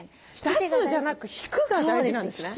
出すじゃなく引くが大事なんですね。